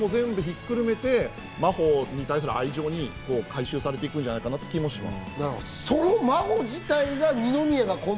そこもひっくるめて真帆に対する愛情に回収されていくんじゃないかって気もします。